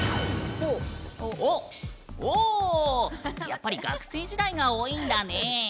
やっぱり、学生時代が多いんだね。